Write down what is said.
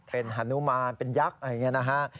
เป็นฮานุมานเป็นยักษ์อะไรอย่างนี้นะฮะ